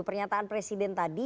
pernyataan presiden tadi